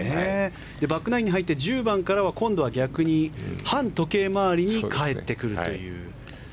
バックナインに入って１０番からは今度は逆に反時計回りに帰ってくるという。